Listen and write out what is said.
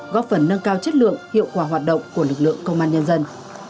góp phần nâng cao chất lượng hiệu quả hoạt động của lực lượng công an nhân dân